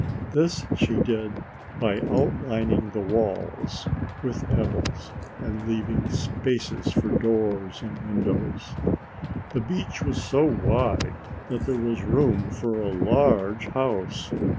This she did by outlining the walls with pebbles and leaving spaces for doors and windows. The beach was so wide that there was room for a large house.